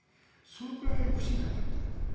そのくらい不信感があった。